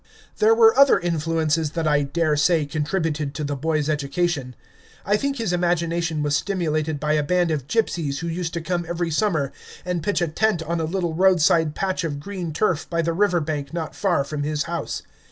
There were other influences that I daresay contributed to the boy's education. I think his imagination was stimulated by a band of gypsies who used to come every summer and pitch a tent on a little roadside patch of green turf by the river bank not far from his house.